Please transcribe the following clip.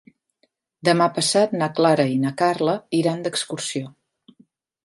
Demà passat na Clara i na Carla iran d'excursió.